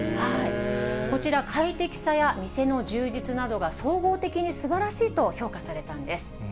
こちら、快適さや店の充実などが総合的にすばらしいと評価されたんです。